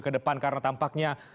ke depan karena tampaknya